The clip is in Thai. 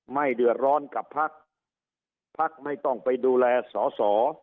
ไม่เดือดร้อนกับพักพักไม่ต้องไปดูแลสอสอ